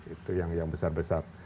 itu yang besar besar